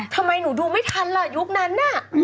ทำไมหนูดูไม่ทันล่ะยุคนั้นน่ะ